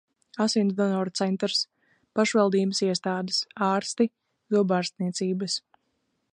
Asinsdonoru centrs. pašvaldības iestādes. ārsti. zobārstniecības...